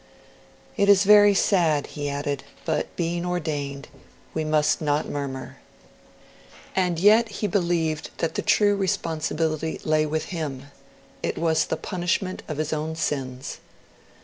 'It is very sad,' he added, 'but being ordained, we must not murmur.' And yet he believed that the true responsibility lay with him; it was the punishment of his own sins.